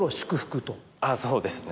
あぁそうですね。